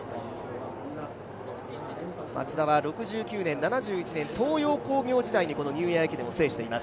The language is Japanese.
マツダは６９年、７１年、東洋工業時代にニューイヤー駅伝を制しています。